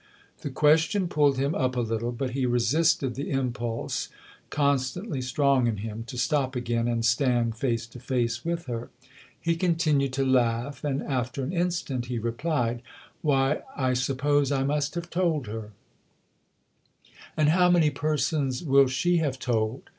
The question pulled him up a little, but he resisted the impulse, constantly strong in him, to stop again and stand face to face with her. He continued to laugh and after an instant he replied :" Why, I suppose I must have told her." " And how many persons will she have told ?